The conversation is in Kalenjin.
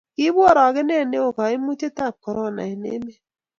kiibu orokenet neoo kaimutietab korono eng' emet